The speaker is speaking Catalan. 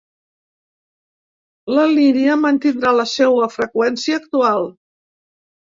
La línia mantindrà la seua freqüència actual.